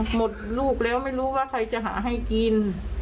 หมดลูกแล้วไม่รู้ว่าใครจะหาให้กิน